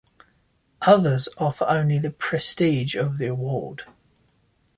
Others offer only the prestige of the award.